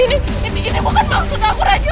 ini bukan maksud aku raja